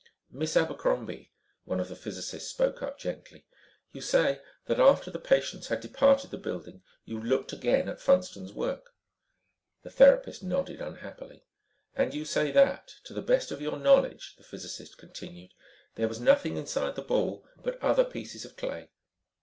"Miss Abercrombie," one of the physicists spoke up gently, "you say that after the patients had departed the building, you looked again at Funston's work?" The therapist nodded unhappily. "And you say that, to the best of your knowledge," the physicist continued, "there was nothing inside the ball but other pieces of clay."